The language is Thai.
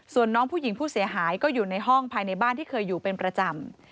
ส่วนน้องผู้หญิงผู้เสียหายก็อยู่ในห้องภายในบ้านที่เคยอยู่เป็นประจำ